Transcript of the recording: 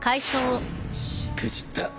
しくじった。